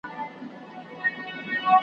اسناد قانوني ارزښت لري.